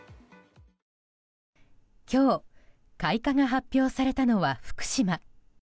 今日開花が発表されたのは福島。